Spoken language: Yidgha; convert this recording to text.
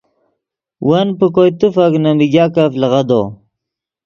ون پے کوئے تیفک نے میگاکف لیغدو